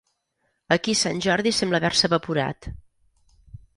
Aquí Sant Jordi sembla haver-se evaporat.